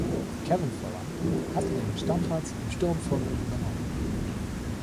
Kevin Volland hatte den Stammplatz im Sturm von ihm übernommen.